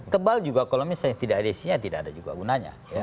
tebal juga kalau misalnya tidak ada isinya tidak ada juga gunanya